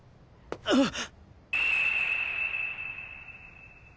あっ。